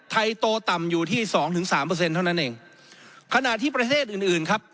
ไทยโตต่ำอยู่ที่๒๓เท่านั้นเองขณะที่ประเทศอื่นครับ